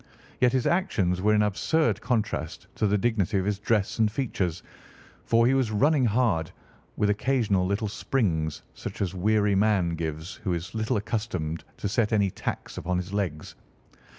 Yet his actions were in absurd contrast to the dignity of his dress and features, for he was running hard, with occasional little springs, such as a weary man gives who is little accustomed to set any tax upon his legs.